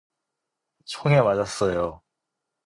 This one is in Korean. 총에 맞았어요.